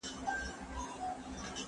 زه پرون سبزېجات وخوړل!؟